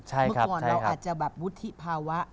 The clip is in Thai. เมื่อก่อนเราอาจจะแบบวุฒิภาวะ